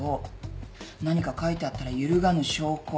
何か書いてあったら揺るがぬ証拠。